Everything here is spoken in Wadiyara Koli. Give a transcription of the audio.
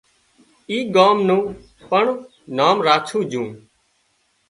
اي ڳام نُون پڻ نام راڇوُن جھون